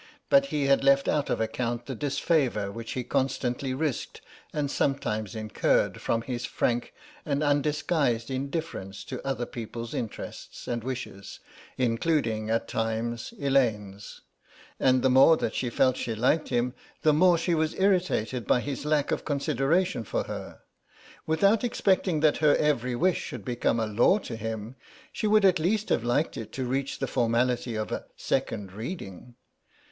But he had left out of account the disfavour which he constantly risked and sometimes incurred from his frank and undisguised indifference to other people's interests and wishes, including, at times, Elaine's. And the more that she felt that she liked him the more she was irritated by his lack of consideration for her. Without expecting that her every wish should become a law to him she would at least have liked it to reach the formality of a Second Reading.